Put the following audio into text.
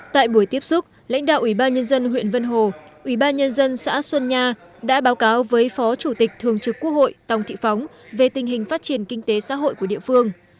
tại buổi tiếp xúc lãnh đạo ủy ban nhân dân huyện vân hồ ủy ban nhân dân xã xuân nha đã báo cáo với phó chủ tịch thường trực quốc hội tòng thị phóng về tình hình phát triển kinh tế xã hội của địa phương